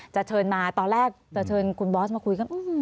เชิญมาตอนแรกจะเชิญคุณบอสมาคุยกัน